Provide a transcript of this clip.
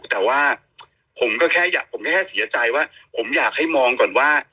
แต่ว่าผมแค่สีอาใจว่าผมอยากให้มองก่อนว่า